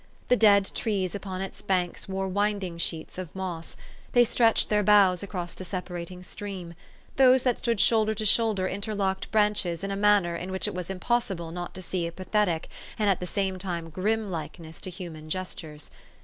The dead trees upon its banks wore winding sheets of moss ; they stretched their boughs across the separating stream: those that stood shoulder to shoulder interlocked branches in a manner in which it was impossible not to see a pathetic and at the same time grim likeness to hu man gestures.